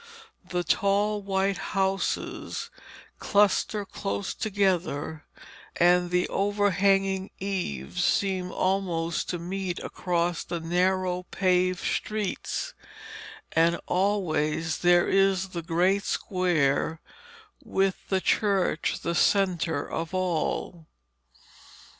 The tall white houses cluster close together, and the overhanging eaves seem almost to meet across the narrow paved streets, and always there is the great square, with the church the centre of all.